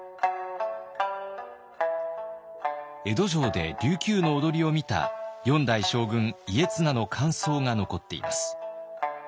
江戸城で琉球の踊りを見た４代将軍家綱の感想が残っています。